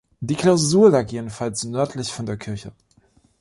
Die Klausur lag jedenfalls nördlich von der Kirche.